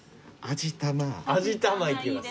味玉いきます。